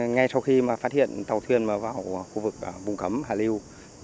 ngay sau khi phát hiện tàu thuyền vào khu vực vùng cấm hạ lưu